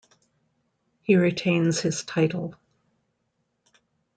He retains his title.